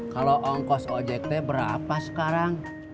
kalau ongkos ojk berapa sekarang